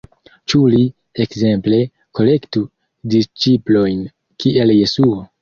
Ĉu li, ekzemple, kolektu disĉiplojn kiel Jesuo?